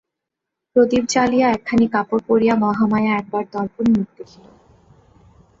প্রদীপ জ্বালিয়া একখানি কাপড় পরিয়া মহামায়া একবার দর্পণে মুখ দেখিল।